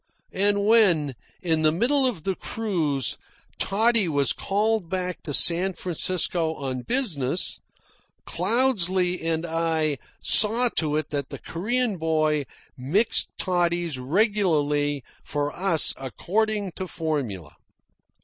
And when, in the middle of the cruise, Toddy was called back to San Francisco on business, Cloudesley and I saw to it that the Korean boy mixed toddies regularly for us according to formula.